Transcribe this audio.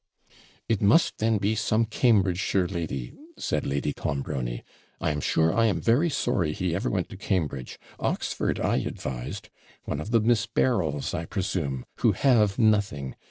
'It must, then, be some Cambridgeshire lady,' said Lady Clonbrony. 'I am sure I am very sorry he ever went to Cambridge, Oxford I advised: one of the Miss Berryls, I presume, who have nothing.